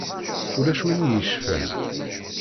Ulac win i yecfan.